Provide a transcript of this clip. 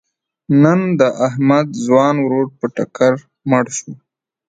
نن د احمد ځوان ورور په ټکر مړ شو.